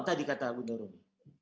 tadi kata bu nurun